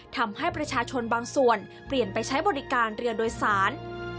ทำให้ประชาชนบางส่วนเปลี่ยนไปใช้บริการเรือโดยสาร